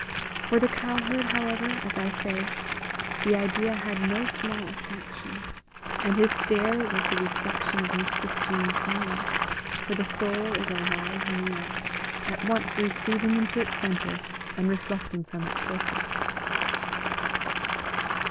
For the cowherd, however, as I say, the idea had no small attraction, and his stare was the reflection of Mistress Jean's own for the soul is a live mirror, at once receiving into its centre, and reflecting from its surface.